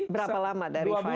berapa lama dari filing